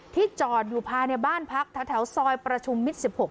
จอดอยู่ภายในบ้านพักแถวซอยประชุมมิตร๑๖